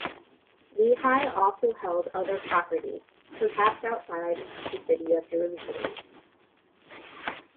Lehi also held other property, perhaps outside the city of Jerusalem.